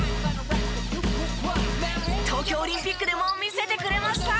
東京オリンピックでも魅せてくれました！